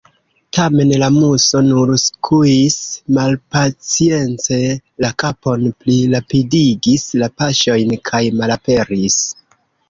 Tamen la Muso nur skuis malpacience la kapon, plirapidigis la paŝojn, kaj malaperis.